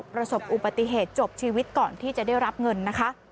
ประสบอุบัติเหตุจบชีวิตก่อนที่จะได้รับเงินนะคะ